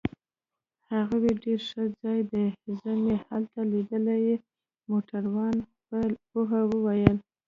هغه ډیر ښه ځای دی، زه مې هلته لیدلی يې. موټروان په پوهه وویل.